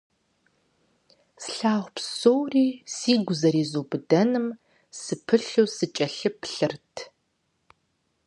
Слъагъу псори сигу зэризубыдэным сыпылъу сыкӀэлъыплъырт.